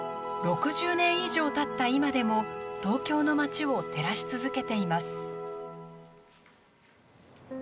６０年以上たった今でも東京の街を照らし続けています。